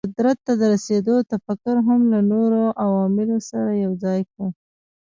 قدرت ته د رسېدو تفکر هم له نورو عواملو سره یو ځای کړو.